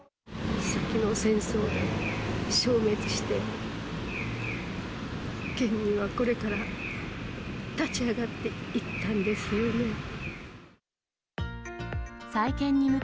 先の戦争で焼失して、県民はこれから立ち上がっていったんですよね。